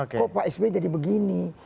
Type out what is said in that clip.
kok pak sby jadi begini